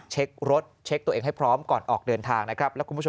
เช็ครถเช็คตัวเองให้พร้อมก่อนออกเดินทางนะครับ